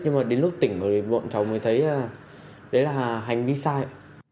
nhưng mà đến lúc tỉnh bọn cháu mới thấy đấy là hành vi sai